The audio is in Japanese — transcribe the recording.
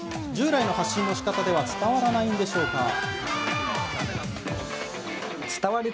従来の発信のしかたでは伝わらないんでしょうか。